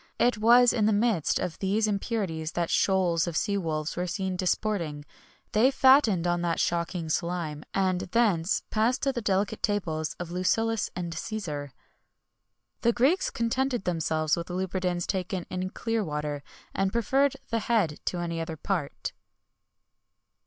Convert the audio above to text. It was in the midst of these impurities that shoals of sea wolves were seen disporting; they fattened on that shocking slime, and thence passed to the delicate tables of Lucullus and Cæsar.[XXI 87] The Greeks contented themselves with lubridans taken in clear water, and preferred the head to any other part.